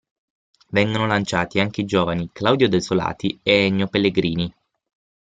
Vengono lanciati anche i giovani Claudio Desolati e Ennio Pellegrini.